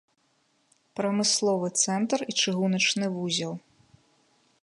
Прамысловы цэнтр і чыгуначны вузел.